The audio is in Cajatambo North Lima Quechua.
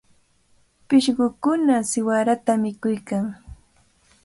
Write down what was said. Pishqukuna siwarata mikuykan.